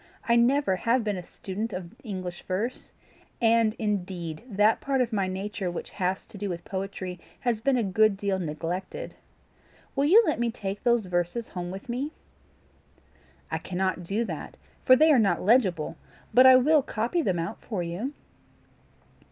I never have been a student of English verse, and indeed that part of my nature which has to do with poetry, has been a good deal neglected. Will you let me take those verses home with me?" "I cannot do that, for they are not legible; but I will copy them out for you."